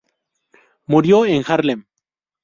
Murió en Haarlem.